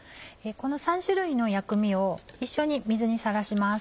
この３種類の薬味を一緒に水にさらします。